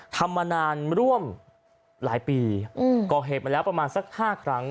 ทำมานานร่วมหลายปีก่อเหตุมาแล้วประมาณสัก๕ครั้ง